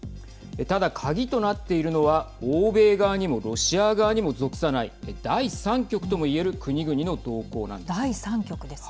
ただ、鍵となっているのは欧米側にもロシア側にも属さない第３極ともいえる国々の動向なんです。